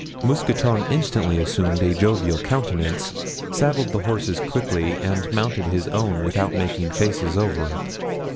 Mousqueton instantly assumed a jovial countenance, saddled the horses quickly and mounted his own without making faces over it.